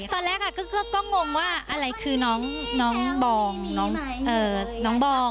ตอนแรกก็งงว่าอะไรคือน้องบอง